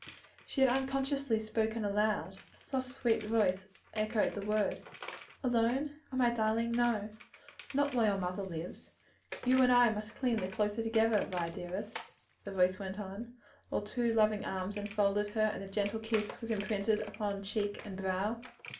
She had unconsciously spoken aloud. A soft sweet voice echoed the last word. "Alone! ah, my darling, no! not while your mother lives. You and I must cling the closer together, Vi dearest," the voice went on, while two loving arms enfolded her and a gentle kiss was imprinted upon cheek and brow.